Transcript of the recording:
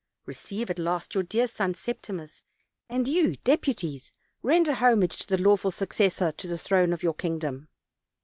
Receive, at last, your dear son Septimus; and you, deputies, render homage to the lawful successor to the throne of your khxlgom."